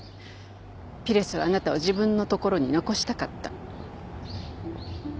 ピレスはあなたを自分の所に残したかった。